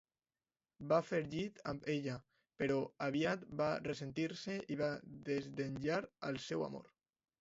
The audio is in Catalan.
Va fer llit amb ella, però aviat va ressentir-se i va desdenyar el seu amor.